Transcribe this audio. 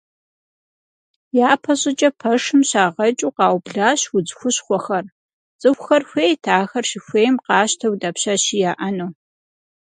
Япэ щӏыкӏэ пэшым щагъэкӏыу къаублащ удз хущхъуэхэр, цӏыхухэр хуейт ахэр щыхуейм къащтэу дапщэщи яӏэну.